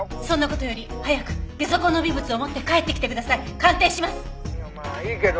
そんな事より早くゲソ痕の微物を持って帰ってきてください。